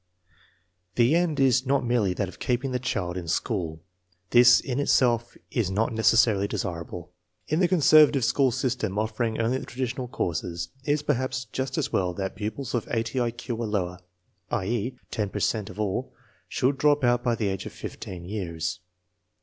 The end is not merely that of keeping the child in school. This in itself is not necessarily desirable. In the conservative school system offering only the tradi tional courses, it is perhaps just as well that pupils of 80 1 Q or lower (i.e., 10 per cent of all) should drop out by the age of fifteen years.